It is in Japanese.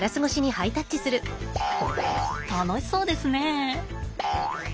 楽しそうですね。